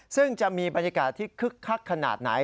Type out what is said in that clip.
ซึ่งจะมีบรรยากาศที่คึกคักขนาดไหน